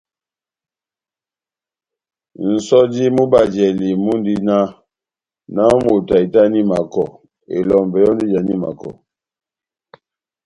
Nʼsɔjo mú bajlali mundi náh : nahámoto ahitani makɔ, elɔmbɛ yɔ́ndi éjani makɔ.